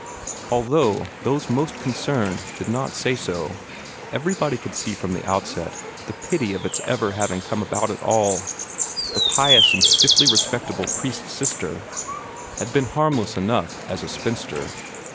Although those most concerned did not say so, everybody could see from the outset the pity of its ever having come about at all. The pious and stiffly respectable priest's sister had been harmless enough as a spinster.